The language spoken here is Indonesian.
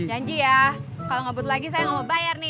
janji ya kalau ngebut lagi saya mau bayar nih